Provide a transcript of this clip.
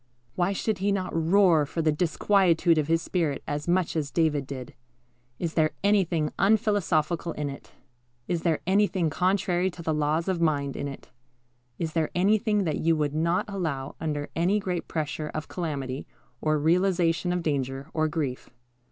Why should he not roar for the disquietude of his spirit as much as David did? Is there anything unphilosophical in it? Is there anything contrary to the laws of mind in it? Is there anything that you would not allow under any great pressure of calamity, or realization of danger, or grief?